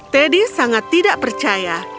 teddy sangat tidak percaya